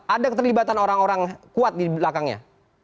ada keterlibatan orang orang kuat di belakangnya